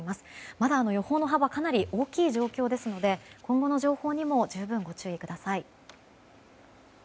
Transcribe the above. まだ予報の幅はかなり大きい状況ですので今後の情報にも十分ご注意ください。